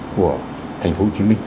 của thành phố hồ chí minh